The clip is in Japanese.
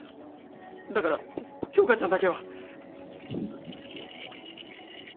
だから京花ちゃんだけは。